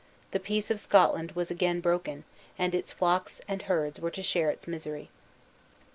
The peace of Scotland was again broken, and its flocks and herds were to share its misery.